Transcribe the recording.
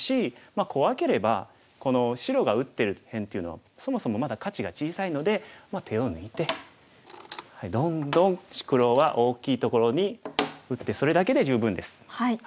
まあ怖ければこの白が打ってる辺っていうのはそもそもまだ価値が小さいので手を抜いてどんどん黒は大きいところに打ってそれだけで十分です。